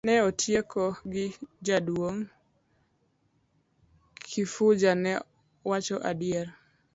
Ne otieko ni jaduong' Kifuja ne wacho adier.